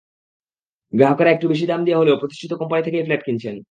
গ্রাহকেরা একটু দাম বেশি দিয়ে হলেও প্রতিষ্ঠিত কোম্পানি থেকেই ফ্ল্যাট কিনছেন।